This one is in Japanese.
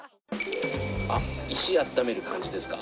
あっ石温める感じですか？